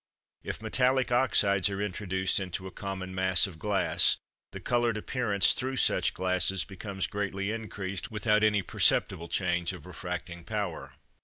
If metallic oxydes are introduced into a common mass of glass, the coloured appearance through such glasses becomes greatly increased without any perceptible change of refracting power.